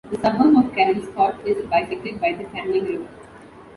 The suburb of Kelmscott is bisected by the Canning River.